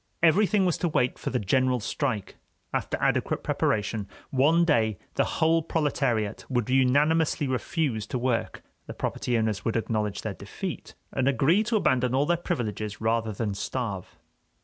Everything was to wait for the general strike; after adequate preparation, one day the whole proletariat would unanimously refuse to work, the property owners would acknowledge their defeat, and agree to abandon all their privileges rather than starve.